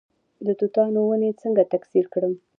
د توتانو ونې څنګه تکثیر کړم؟